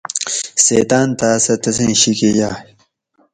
سیتاۤن تاۤس سہ تسیں شیکہ یائ